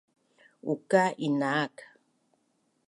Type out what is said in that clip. Uka’ inaak